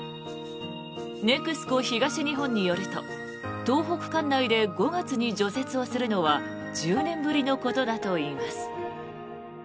ネクスコ東日本によると東北管内で５月に除雪をするのは１０年ぶりのことだといいます。